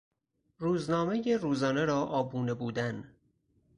روزنامهی روزانه را آبونه بودن